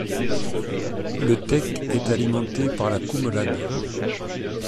Le Tech est alimenté par la Coumelade.